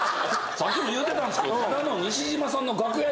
さっきも言うてたんですけどははは